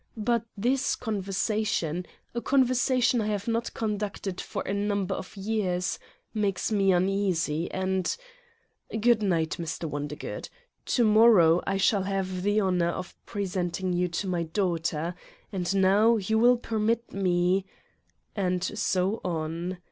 But this conversation, a conversation I have not conducted for a number of years, makes me uneasy and good night, Mr. Wondergood. To morrow I shall have the honor of presenting you to my daughter, and now you will permit me " And so on.